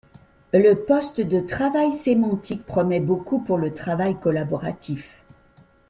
Le poste de travail sémantique promet beaucoup pour le travail collaboratif.